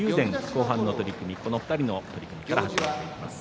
後半の取組はこの２人から始まります。